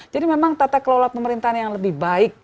jadi memang tata kelola pemerintahan yang lebih baik